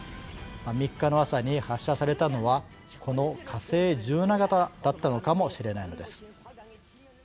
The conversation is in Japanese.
３日の朝に発射されたのはこの火星１７型だったのかもしれないのです。